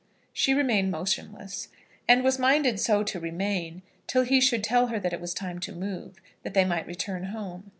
She remained motionless, and was minded so to remain till he should tell her that it was time to move, that they might return home.